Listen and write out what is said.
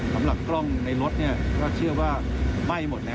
สำหรับกล้องในรถก็เชื่อว่าไหม้หมดแล้ว